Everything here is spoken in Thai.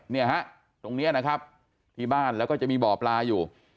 เนี่ยฮะตรงนี้นะครับที่บ้านแล้วก็จะมีบ่อปลาอยู่